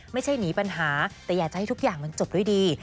ไม่ใช่หนีปัญหาแต่อยากจะให้ทุกอย่างมันจบด้วยดี